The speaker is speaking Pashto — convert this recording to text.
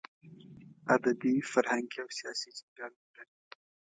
ادبي، فرهنګي او سیاسي جنجالونه کوي.